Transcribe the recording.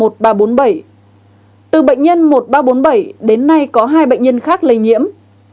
từ bệnh nhân một nghìn ba trăm bốn mươi bảy đến nay có hai bệnh nhân khác lây nhiễm